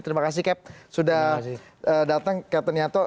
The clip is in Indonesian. terima kasih cap sudah datang captain yato